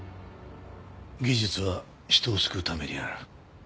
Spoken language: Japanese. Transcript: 「技術は人を救うためにある」。